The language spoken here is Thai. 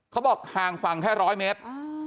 เขาบอกห่างฝั่งแค่๑๐๐เมตร